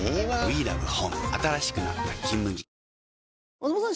松本さん